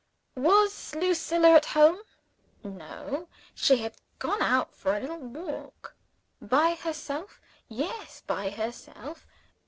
Was Lucilla at home? No: she had gone out for a little walk. By herself? Yes by herself.